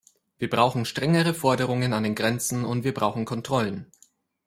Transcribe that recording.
Wir brauchen strengere Forderungen an den Grenzen, und wir brauchen Kontrollen.